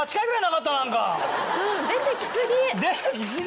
出てきすぎ。